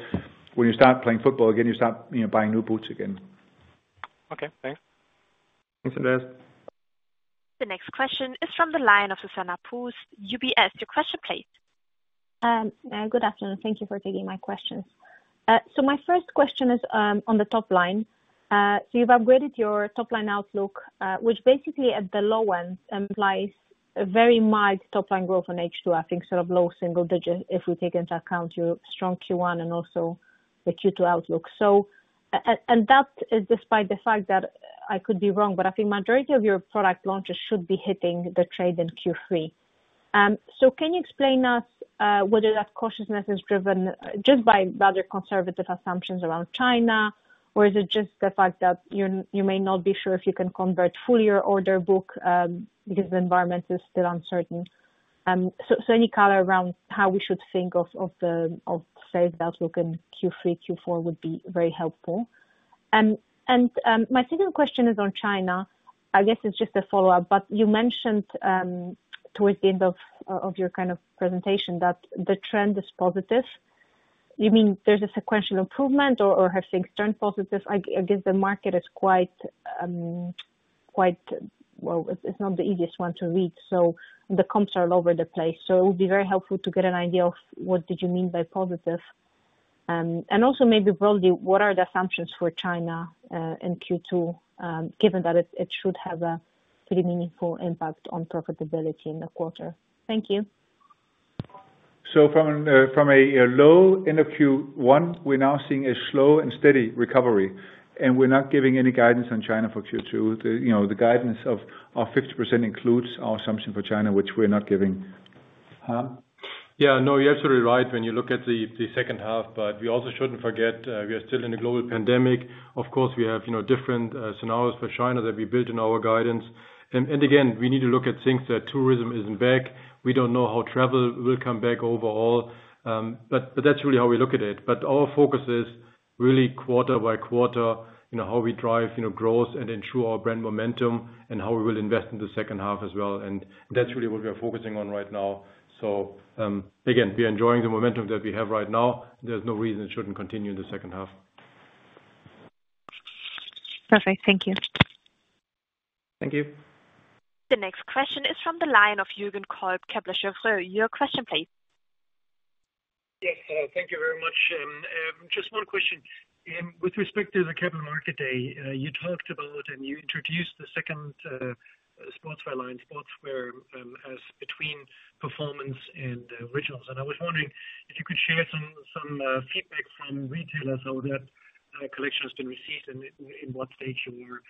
when you start playing football again, you start buying new boots again. Okay, thanks. Thanks, Andreas. The next question is from the line of Zuzanna Pusz with UBS. Your question, please. Good afternoon. Thank you for taking my questions. My first question is on the top line. You've upgraded your top-line outlook, which basically at the low end implies a very mild top-line growth on H2, I think sort of low single digit, if we take into account your strong Q1 and also the Q2 outlook. That is despite the fact that I could be wrong, but I think majority of your product launches should be hitting the trade in Q3. Can you explain us whether that cautiousness is driven just by rather conservative assumptions around China, or is it just the fact that you may not be sure if you can convert full year order book because the environment is still uncertain? Any color around how we should think of sales outlook in Q3, Q4 would be very helpful. My second question is on China. I guess it's just a follow-up, but you mentioned towards the end of your presentation that the trend is positive. You mean there's a sequential improvement or have things turned positive? I guess the market is quite Well, it's not the easiest one to read, so the comps are all over the place. It would be very helpful to get an idea of what did you mean by positive. Also maybe broadly, what are the assumptions for China in Q2, given that it should have a pretty meaningful impact on profitability in the quarter? Thank you. From a low end of Q1, we're now seeing a slow and steady recovery, and we're not giving any guidance on China for Q2. The guidance of our 50% includes our assumption for China, which we're not giving. Harm? Yeah, no, you're absolutely right when you look at the second half, we also shouldn't forget we are still in a global pandemic. Of course, we have different scenarios for China that we built in our guidance. Again, we need to look at things that tourism isn't back. We don't know how travel will come back overall. That's really how we look at it. Our focus is really quarter by quarter, how we drive growth and ensure our brand momentum and how we will invest in the second half as well. That's really what we are focusing on right now. Again, we are enjoying the momentum that we have right now. There's no reason it shouldn't continue in the second half. Perfect. Thank you. Thank you. The next question is from the line of Jürgen Kolb, Kepler Cheuvreux. Your question, please. Yes. Thank you very much. Just one question. With respect to the Capital Market Day, you talked about and you introduced the second Sportswear line, Sportswear, as between Performance and Originals. I was wondering if you could share some feedback from retailers how that collection has been received and in what stage you were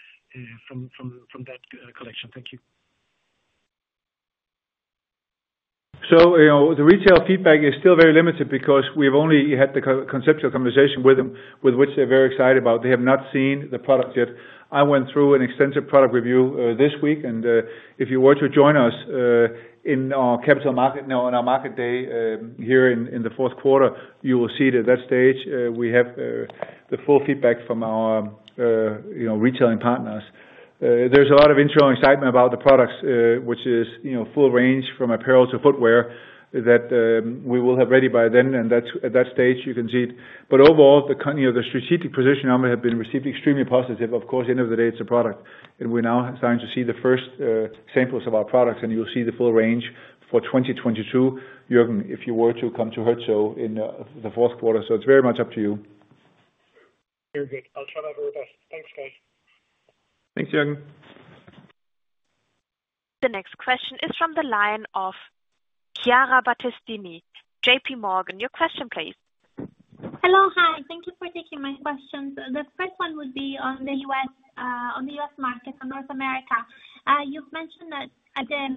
from that collection. Thank you. The retail feedback is still very limited because we've only had the conceptual conversation with them, with which they're very excited about. They have not seen the product yet. I went through an extensive product review this week, and if you were to join us in our Capital Market, on our Market Day here in the fourth quarter, you will see it at that stage we have the full feedback from our retailing partners. There's a lot of internal excitement about the products, which is full range from apparel to footwear that we will have ready by then, and at that stage you can see it. Overall, the strategic position now may have been received extremely positive. Of course, end of the day, it's a product, and we're now starting to see the first samples of our products, and you'll see the full range for 2022. Jürgen, if you were to come to Herzogenaurach in the fourth quarter, it's very much up to you. Very good. I'll try my very best. Thanks, guys. Thanks, Jürgen. The next question is from the line of Chiara Battistini, JPMorgan. Your question please. Hello. Hi. Thank you for taking my questions. The first one would be on the U.S. market, on North America. You've mentioned that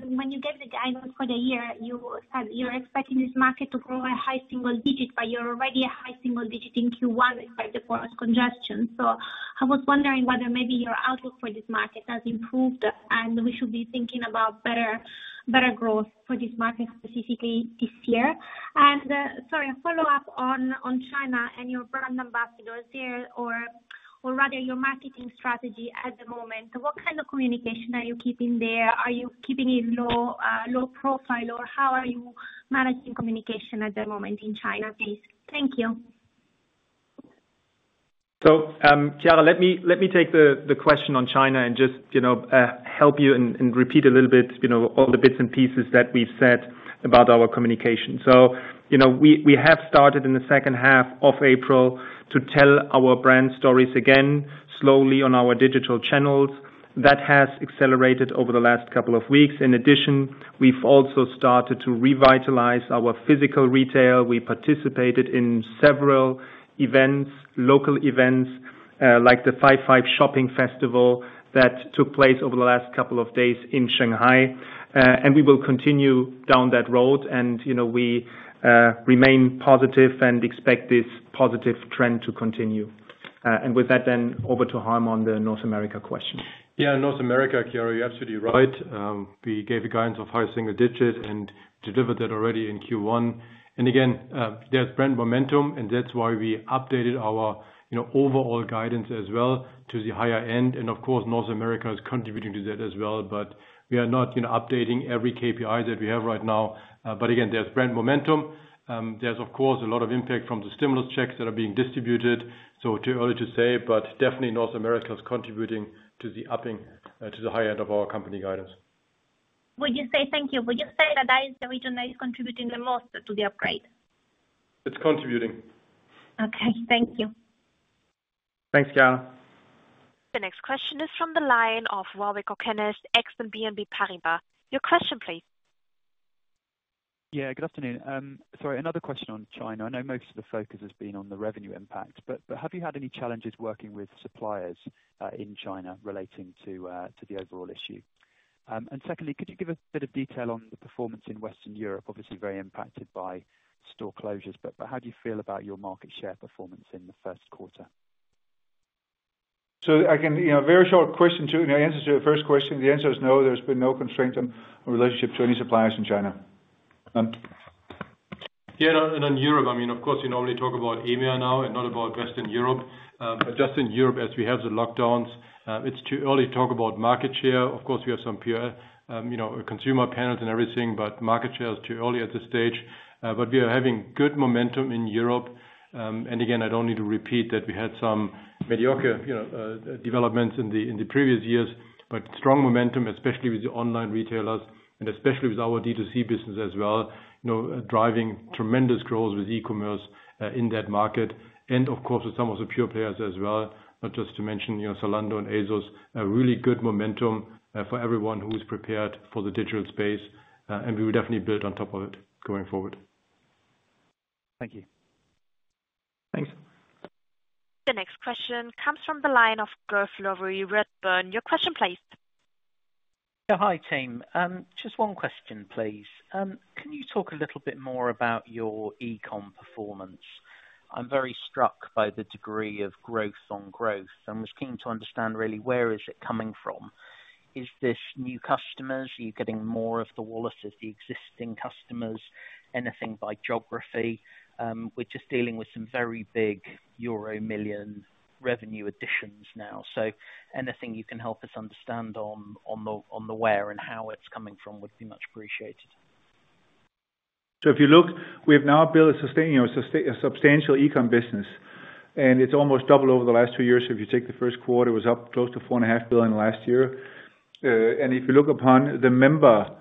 when you gave the guidance for the year, you said you're expecting this market to grow a high single digit, but you're already a high single digit in Q1 despite the port congestion. I was wondering whether maybe your outlook for this market has improved, we should be thinking about better growth for this market specifically this year? Sorry, a follow-up on China and your brand ambassadors there or rather your marketing strategy at the moment. What kind of communication are you keeping there? Are you keeping it low profile or how are you managing communication at the moment in China, please? Thank you. Chiara, let me take the question on China and just help you and repeat a little bit all the bits and pieces that we've said about our communication. We have started in the second half of April to tell our brand stories again slowly on our digital channels. That has accelerated over the last couple of weeks. In addition, we've also started to revitalize our physical retail. We participated in several local events, like the Double Five Shopping Festival that took place over the last couple of days in Shanghai. We will continue down that road and we remain positive and expect this positive trend to continue. With that then over to Harm Ohlmeyer on the North America question. Yeah, North America, Chiara, you're absolutely right. We gave the guidance of high single digit and delivered that already in Q1. Again, there's brand momentum and that's why we updated our overall guidance as well to the higher end and of course, North America is contributing to that as well, but we are not updating every key performance indicator that we have right now. Again, there's brand momentum. There's of course, a lot of impact from the stimulus checks that are being distributed, so too early to say, but definitely North America is contributing to the upping to the high end of our company guidance. Thank you. Would you say that is the region that is contributing the most to the upgrade? It's contributing. Okay. Thank you. Thanks, Chiara. The next question is from the line of Warwick Okines, Exane BNP Paribas. Your question please. Yeah, good afternoon. Sorry, another question on China. I know most of the focus has been on the revenue impact, but have you had any challenges working with suppliers in China relating to the overall issue? Secondly, could you give a bit of detail on the performance in Western Europe, obviously very impacted by store closures, but how do you feel about your market share performance in the first quarter? Again, very short question. To answer your first question, the answer is no, there's been no constraint on relationship to any suppliers in China. Harm. Yeah, in Europe, of course, you normally talk about EMEA now and not about Western Europe. Just in Europe as we have the lockdowns, it's too early to talk about market share. Of course, we have some pure consumer panels and everything, but market share is too early at this stage. We are having good momentum in Europe. Again, I don't need to repeat that we had some mediocre developments in the previous years, but strong momentum, especially with the online retailers and especially with our D2C business as well, driving tremendous growth with e-commerce, in that market. Of course, with some of the pure players as well, just to mention, Zalando and ASOS, a really good momentum for everyone who's prepared for the digital space. We will definitely build on top of it going forward. Thank you. Thanks. The next question comes from the line of Gurbir Nakhwal, Redburn. Your question please. Yeah. Hi, team. Just one question, please. Can you talk a little bit more about your e-com performance? I am very struck by the degree of growth on growth and was keen to understand really where is it coming from. Is this new customers? Are you getting more of the wallet of the existing customers? Anything by geography? We are just dealing with some very big Euro million revenue additions now. Anything you can help us understand on the where and how it is coming from would be much appreciated. If you look, we have now built a substantial e-com business, and it's almost double over the last two years. If you take the first quarter, it was up close to 4.5 billion last year. If you look upon the membership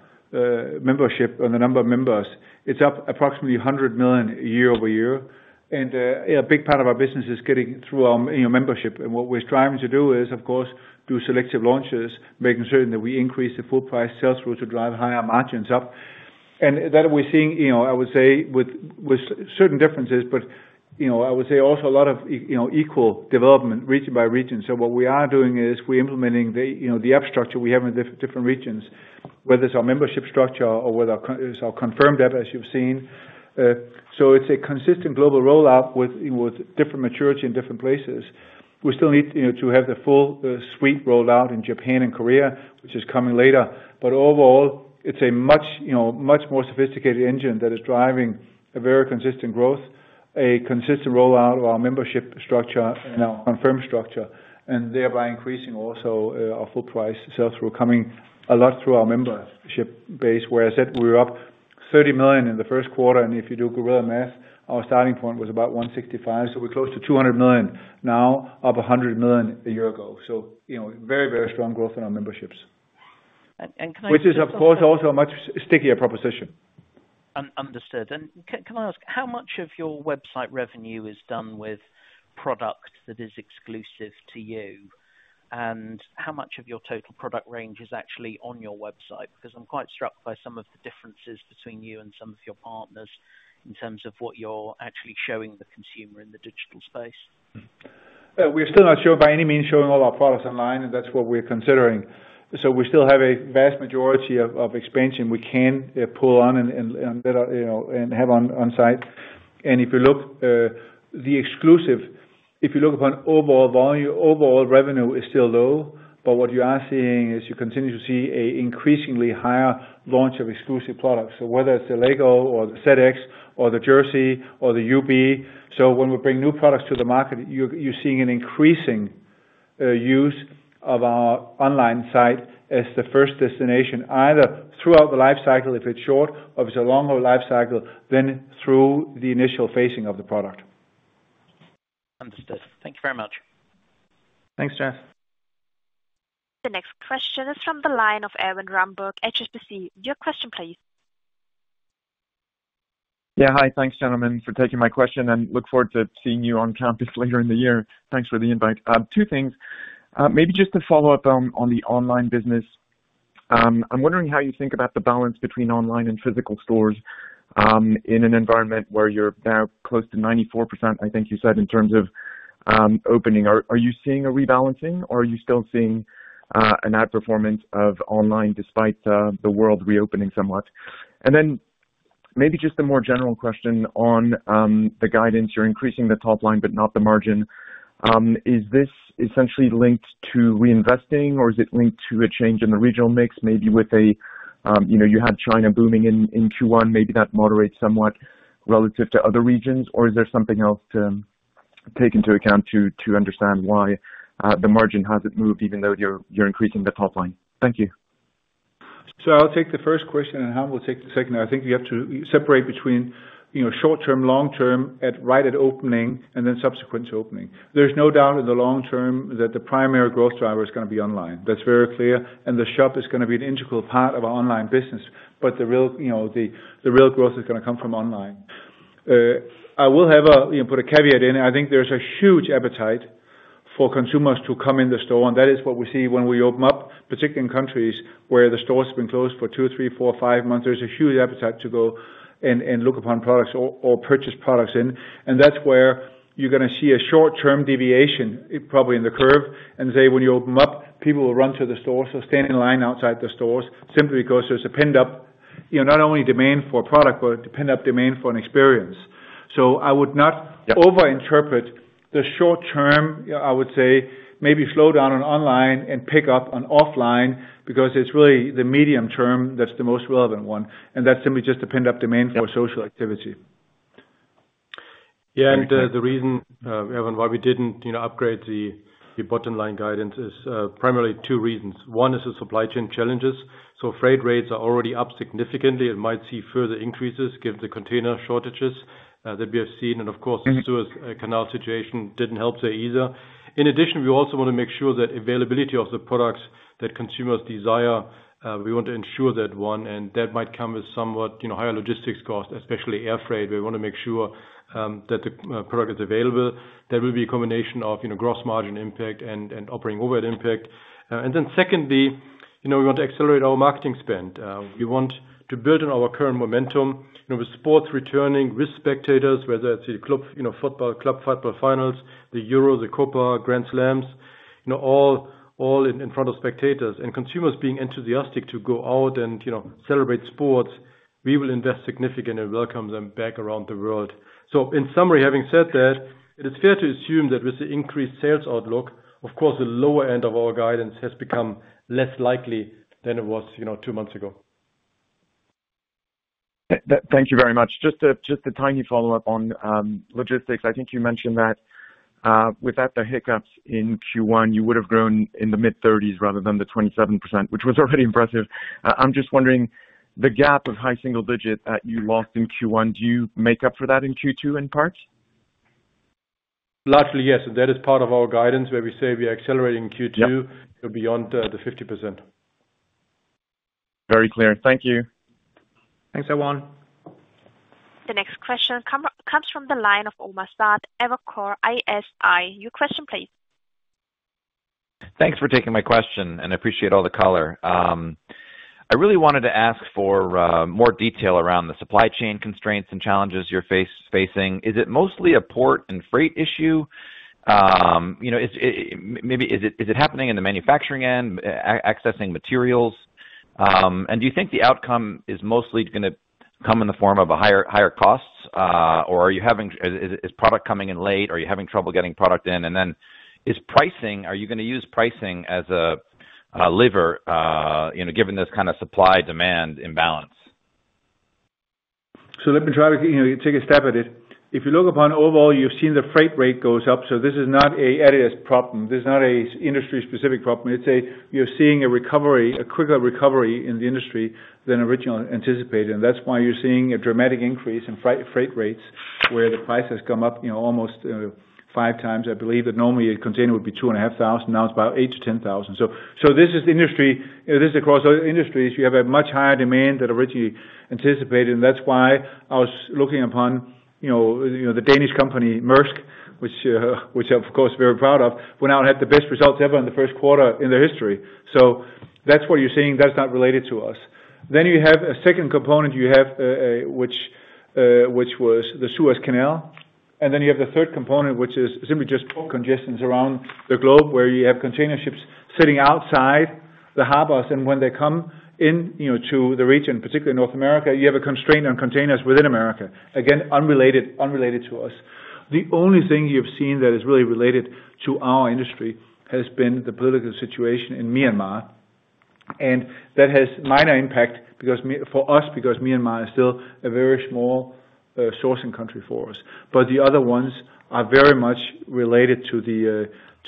and the number of members, it's up approximately 100 million year-over-year. A big part of our business is getting through our membership. What we're striving to do is, of course, do selective launches, making certain that we increase the full price sales through to drive higher margins up. That we're seeing, I would say with certain differences, but I would say also a lot of equal development region by region. What we are doing is we're implementing the app structure we have in different regions, whether it's our membership structure or whether it's our Confirmed app as you've seen. It's a consistent global rollout with different maturity in different places. We still need to have the full suite rolled out in Japan and Korea, which is coming later. Overall, it's a much more sophisticated engine that is driving a very consistent growth, a consistent rollout of our membership structure and our Confirmed structure, and thereby increasing also our full price sales through coming a lot through our membership base, where I said we're up 30 million in the first quarter, and if you do gorilla math, our starting point was about 165, so we're close to 200 million now, up 100 million a year ago. Very, very strong growth in our memberships. And can I just. Which is, of course, also a much stickier proposition. Understood. Can I ask how much of your website revenue is done with product that is exclusive to you? How much of your total product range is actually on your website? Because I'm quite struck by some of the differences between you and some of your partners in terms of what you're actually showing the consumer in the digital space. We're still not sure by any means showing all our products online, and that's what we're considering. We still have a vast majority of expansion we can pull on and have on site. If you look the exclusive, if you look upon overall volume, overall revenue is still low, but what you are seeing is you continue to see an increasingly higher launch of exclusive products. Whether it's the LEGO or the ZX or the jersey or the UB. When we bring new products to the market, you're seeing an increasing use of our online site as the first destination, either throughout the life cycle if it's short, or if it's a longer life cycle, then through the initial phasing of the product. Understood. Thank you very much. Thanks, Gurbir. The next question is from the line of Erwan Rambourg, HSBC. Your question please. Hi. Thanks, gentlemen, for taking my question, and look forward to seeing you on campus later in the year. Thanks for the invite. Two things. Maybe just to follow up on the online business. I am wondering how you think about the balance between online and physical stores, in an environment where you are now close to 94%, I think you said, in terms of opening. Are you seeing a rebalancing or are you still seeing an outperformance of online despite the world reopening somewhat? Maybe just a more general question on the guidance. You are increasing the top line, but not the margin. Is this essentially linked to reinvesting or is it linked to a change in the regional mix? Maybe you had China booming in Q1, maybe that moderates somewhat relative to other regions, or is there something else to take into account to understand why the margin hasn't moved even though you're increasing the top line? Thank you. I'll take the first question and Harm will take the second. I think we have to separate between short-term, long-term, right at opening, and then subsequent to opening. There's no doubt in the long term that the primary growth driver is going to be online. That's very clear, and the shop is going to be an integral part of our online business, but the real growth is going to come from online. I will put a caveat in. I think there's a huge appetite for consumers to come in the store, and that is what we see when we open up, particularly in countries where the store's been closed for two, three, four, five months. There's a huge appetite to go and look upon products or purchase products in. That's where you're going to see a short-term deviation, probably in the curve, and say when you open up, people will run to the stores or stand in line outside the stores simply because there's a pent-up, not only demand for a product, but a pent-up demand for an experience. I would not over interpret the short term. I would say maybe slow down on online and pick up on offline because it's really the medium term that's the most relevant one. That's simply just a pent-up demand for social activity. Yeah. The reason, Erwan, why we didn't upgrade the bottom line guidance is primarily two reasons. One is the supply chain challenges. Freight rates are already up significantly and might see further increases given the container shortages that we have seen. Of course, the Suez Canal situation didn't help there either. In addition, we also want to make sure that availability of the products that consumers desire, we want to ensure that one, and that might come with somewhat higher logistics costs, especially air freight. We want to make sure that the product is available. There will be a combination of gross margin impact and operating overhead impact. Secondly, we want to accelerate our marketing spend. We want to build on our current momentum. With sports returning, with spectators, whether it's the club football finals, the Euro, the Copa, Grand Slams, all in front of spectators, and consumers being enthusiastic to go out and celebrate sports, we will invest significantly and welcome them back around the world. In summary, having said that, it is fair to assume that with the increased sales outlook, of course, the lower end of our guidance has become less likely than it was two months ago. Thank you very much. Just a tiny follow-up on logistics. I think you mentioned that without the hiccups in Q1, you would have grown in the mid-30s rather than the 27%, which was already impressive. I'm just wondering the gap of high single digit that you lost in Q1, do you make up for that in Q2 in part? Largely, yes. That is part of our guidance where we say we are accelerating in Q2 beyond the 50%. Very clear. Thank you. Thanks, Erwan Rambourg. The next question comes from the line of Omar Saad, Evercore ISI. Your question please. Thanks for taking my question. I appreciate all the color. I really wanted to ask for more detail around the supply chain constraints and challenges you're facing. Is it mostly a port and freight issue? Maybe is it happening in the manufacturing end, accessing materials? Do you think the outcome is mostly going to come in the form of a higher costs? Is product coming in late? Are you having trouble getting product in? Is pricing, are you going to use pricing as a lever given this kind of supply-demand imbalance? Let me try to take a stab at it. If you look upon it overall, you've seen the freight rate goes up. This is not an adidas problem. This is not an industry-specific problem. You're seeing a quicker recovery in the industry than originally anticipated, and that's why you're seeing a dramatic increase in freight rates, where the price has come up almost 5x. I believe that normally a container would be 2,500, now it's about 8,000 to 10,000. This is across all industries. You have a much higher demand than originally anticipated, and that's why I was looking upon the Danish company, Maersk, which of course we're very proud of, went out and had the best results ever in the first quarter in their history. That's what you're seeing. That's not related to us. You have a second component, which was the Suez Canal. You have the third component, which is simply just port congestions around the globe, where you have container ships sitting outside the harbors. When they come into the region, particularly North America, you have a constraint on containers within America. Again, unrelated to us. The only thing you've seen that is really related to our industry has been the political situation in Myanmar, and that has minor impact for us because Myanmar is still a very small sourcing country for us. The other ones are very much related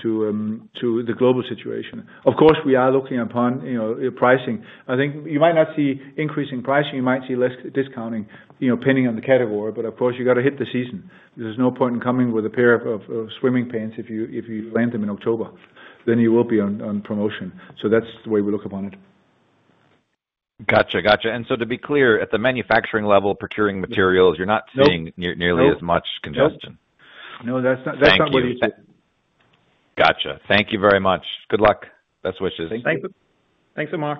to the global situation. Of course, we are looking upon pricing. I think you might not see increasing pricing, you might see less discounting, depending on the category. Of course, you've got to hit the season. There's no point in coming with a pair of swimming pants if you land them in October, then you will be on promotion. That's the way we look upon it. Got you. To be clear, at the manufacturing level, procuring materials, you're not seeing nearly as much congestion. Nope. No, that's not what you see. Got you. Thank you very much. Good luck. Best wishes. Thank you. Thanks, Omar.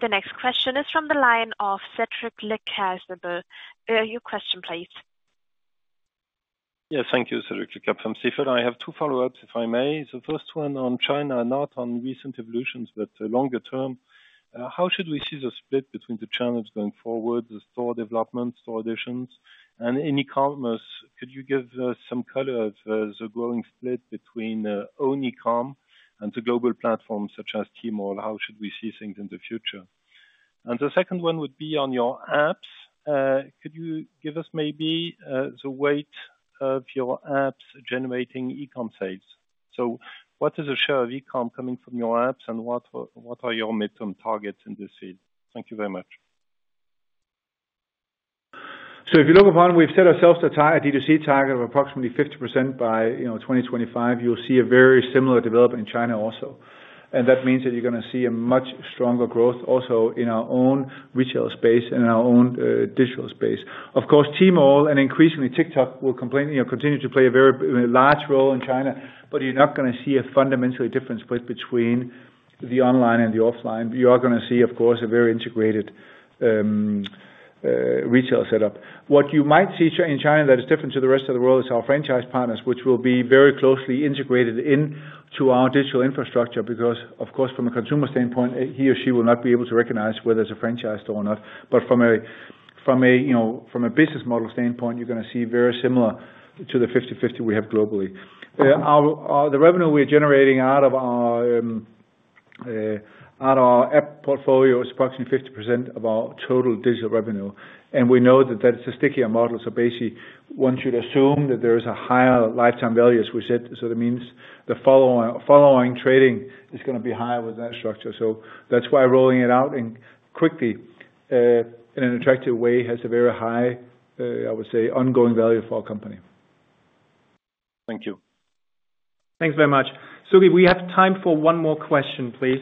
The next question is from the line of Cédric Lecasble. Your question, please. Yeah. Thank you. Cédric Lecasble from Stifel. I have two follow-ups, if I may. The first one on China, not on recent evolutions, but longer term. How should we see the split between the channels going forward, the store developments, store additions? In electronic commerce, could you give some color of the growing split between own electronic commerce and the global platforms such as Tmall? How should we see things in the future? The second one would be on your apps. Could you give us maybe the weight of your apps generating electronic commerce sales? What is the share of electronic commerce coming from your apps, and what are your midterm targets in this field? Thank you very much. If you look upon, we've set ourselves a D2C target of approximately 50% by 2025. You'll see a very similar development in China also. That means that you're going to see a much stronger growth also in our own retail space and in our own digital space. Of course, Tmall and increasingly TikTok will continue to play a very large role in China, but you're not going to see a fundamentally different split between the online and the offline. You are going to see, of course, a very integrated retail set up. What you might see in China that is different to the rest of the world is our franchise partners, which will be very closely integrated into our digital infrastructure, because, of course, from a consumer standpoint, he or she will not be able to recognize whether it's a franchise store or not. From a business model standpoint, you're going to see very similar to the 50/50 we have globally. The revenue we're generating out of our app portfolio is approximately 50% of our total digital revenue, and we know that that's a stickier model. Basically, one should assume that there is a higher lifetime value, as we said. That means the following trading is going to be higher with that structure. That's why rolling it out quickly in an attractive way has a very high, I would say, ongoing value for our company. Thank you. Thanks very much. Cédric, we have time for one more question, please.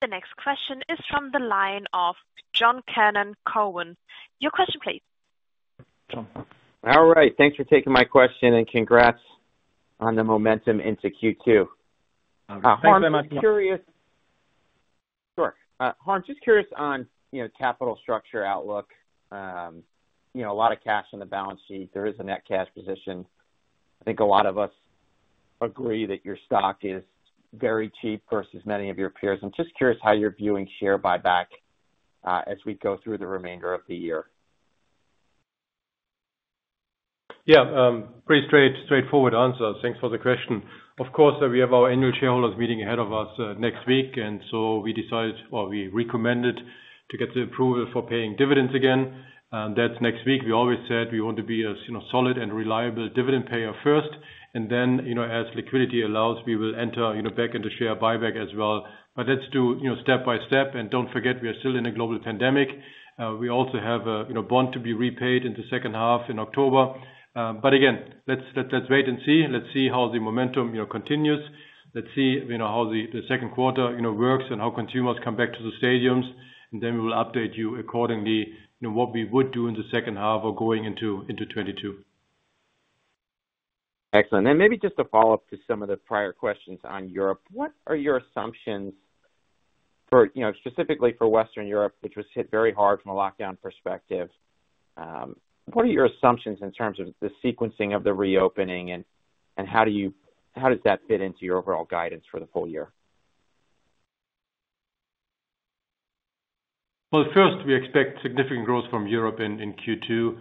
The next question is from the line of John Kernan. Your question, please. John. All right. Thanks for taking my question and congrats on the momentum into Q2. Thanks very much, John. Sure. Harm, just curious on capital structure outlook. A lot of cash on the balance sheet. There is a net cash position. I think a lot of us agree that your stock is very cheap versus many of your peers. I'm just curious how you're viewing share buyback as we go through the remainder of the year. Yeah. Pretty straightforward answer. Thanks for the question. Of course, we have our annual shareholders meeting ahead of us next week, and so we decided, or we recommended to get the approval for paying dividends again. That's next week. We always said we want to be a solid and reliable dividend payer first, and then as liquidity allows, we will enter back into share buyback as well. Let's do step by step, and don't forget, we are still in a global pandemic. We also have a bond to be repaid in the second half in October. Again, let's wait and see. Let's see how the momentum continues. Let's see how the second quarter works and how consumers come back to the stadiums, and then we will update you accordingly what we would do in the second half or going into 2022. Excellent. Maybe just a follow-up to some of the prior questions on Europe. What are your assumptions specifically for Western Europe, which was hit very hard from a lockdown perspective? What are your assumptions in terms of the sequencing of the reopening, and how does that fit into your overall guidance for the full year? First, we expect significant growth from Europe in Q2,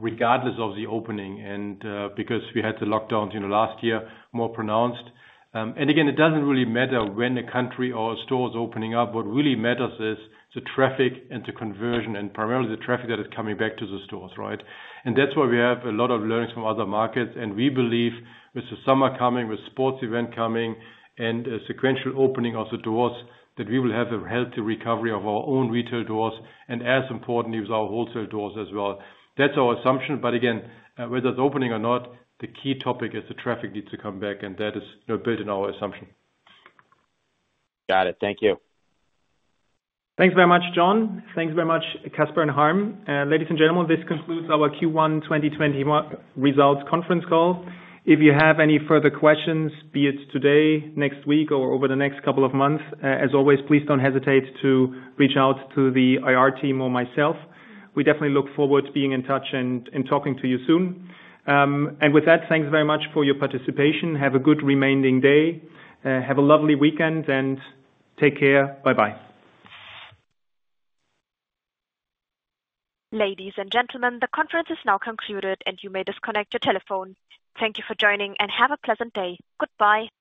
regardless of the opening and because we had the lockdowns last year more pronounced. Again, it doesn't really matter when a country or a store is opening up. What really matters is the traffic and the conversion, and primarily the traffic that is coming back to the stores, right? That's why we have a lot of learnings from other markets, and we believe with the summer coming, with sports event coming, and a sequential opening of the doors, that we will have a healthy recovery of our own retail doors, and as importantly, with our wholesale doors as well. That's our assumption. Again, whether it's opening or not, the key topic is the traffic needs to come back, and that is built in our assumption. Got it. Thank you. Thanks very much, John. Thanks very much, Kasper and Harm. Ladies and gentlemen, this concludes our Q1 2021 results conference call. If you have any further questions, be it today, next week, or over the next couple of months, as always, please don't hesitate to reach out to the IR team or myself. We definitely look forward to being in touch and talking to you soon. With that, thanks very much for your participation. Have a good remaining day. Have a lovely weekend, and take care. Bye-bye. Ladies and gentlemen, the conference is now concluded, and you may disconnect your telephone. Thank you for joining, and have a pleasant day. Goodbye.